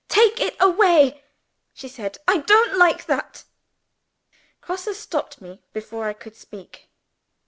"Take it away," she said. "I don't like that." Grosse stopped me before I could speak.